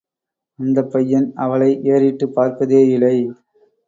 அந்தப் பையன் அவளை ஏறிட்டுப் பார்ப்பதேயிலை.